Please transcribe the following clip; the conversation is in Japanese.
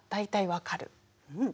うん。